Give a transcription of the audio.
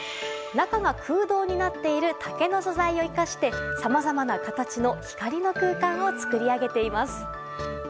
中が空洞になっている竹の素材を生かしてさまざまな形の光の空間を作り上げています。